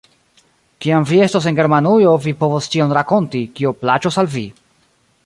Kiam vi estos en Germanujo, vi povos ĉion rakonti, kio plaĉos al vi.